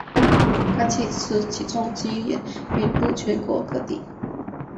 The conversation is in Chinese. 该汽车起重机也遍布全国各地。